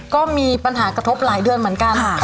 ก็มีปัญหากระทบหลายเดือนเหมือนกัน